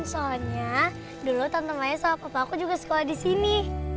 soalnya dulu tantangan sama papa aku juga sekolah di sini